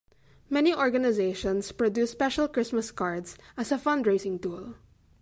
Many organizations produce special Christmas cards as a fundraising tool.